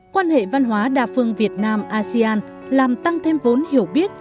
quan hệ văn hóa đa phương việt nam asean làm tăng thêm vốn hiểu biết